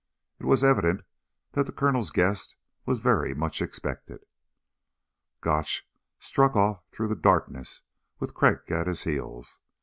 It was evident the Colonel's guest was very much expected. Gotch struck off through the darkness with Crag at his heels.